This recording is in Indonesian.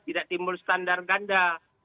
tidak timbul standar ganda